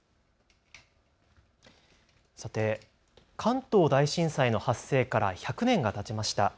さて、関東大震災の発生から１００年がたちました。